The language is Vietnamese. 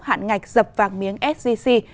hạn ngạch dập vàng miếng sgc